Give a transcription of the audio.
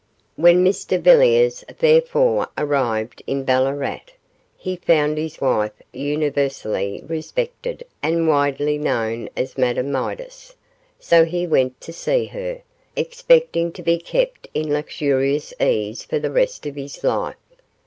When Mr Villiers therefore arrived in Ballarat, he found his wife universally respected and widely known as Madame Midas, so he went to see her, expecting to be kept in luxurious ease for the rest of his life.